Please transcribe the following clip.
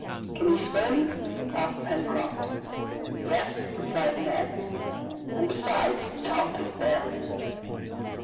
"Can he swim?" asked Pencroft. "Yes," replied Neb, "and besides, Top is there."